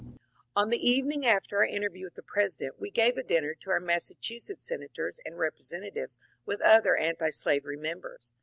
On the evening after our interview with the President we gave a dinner to our Massachusetts senators and representa tives, with other antblavery members.